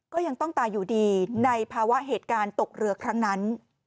ก็ยังต้องตายอยู่ดีในภาวะเหตุการณ์ตกเรือครั้งนั้น